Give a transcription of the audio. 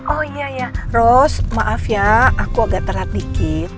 oh iya ya ros maaf ya aku agak terat dikit